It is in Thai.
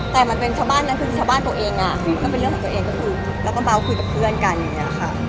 แต่มันเป็นชาวบ้านนั้นคือชาวบ้านตัวเองก็เป็นเรื่องของตัวเองก็คือแล้วก็เบาคุยกับเพื่อนกันอย่างนี้ค่ะ